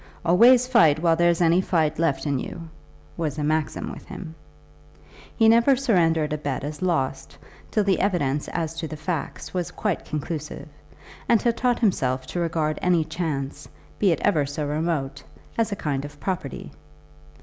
"Always fight whilst there's any fight left in you," was a maxim with him. He never surrendered a bet as lost, till the evidence as to the facts was quite conclusive, and had taught himself to regard any chance, be it ever so remote, as a kind of property.